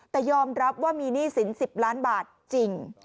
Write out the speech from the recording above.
แต่ยอมรับว่ามีหนี้สิน๑๐ล้านบาทจริง